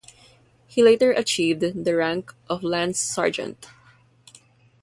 He later achieved the rank of Lance-Sergeant.